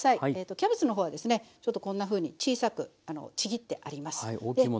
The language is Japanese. キャベツの方はですねちょっとこんなふうに小さくちぎってあります。